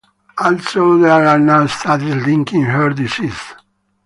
Also, there are now studies linking heart disease.